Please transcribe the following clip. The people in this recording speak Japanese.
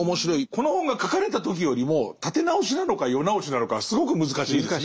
この本が書かれた時よりも立て直しなのか世直しなのかはすごく難しいですね。